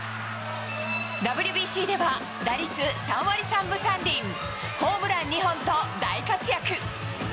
ＷＢＣでは、打率３割３分３厘、ホームラン２本と大活躍。